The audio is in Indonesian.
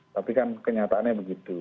tapi kan kenyataannya begitu